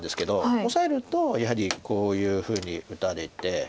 オサえるとやはりこういうふうに打たれて。